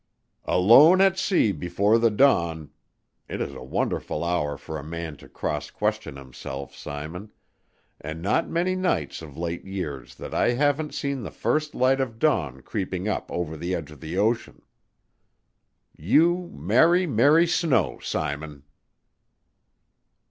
"Alone at sea before the dawn it is a wonderful hour for a man to cross question himself, Simon; and not many nights of late years that I haven't seen the first light of dawn creeping up over the edge of the ocean. You marry Mary Snow, Simon."